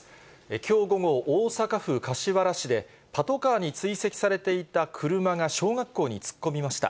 きょう午後、大阪府柏原市で、パトカーに追跡されていた車が小学校に突っ込みました。